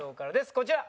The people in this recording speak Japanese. こちら。